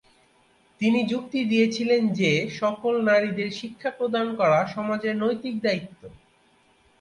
তিনি যুক্তি দিয়েছিলেন যে সকল নারীদের শিক্ষা প্রদান করা সমাজের নৈতিক দায়িত্ব।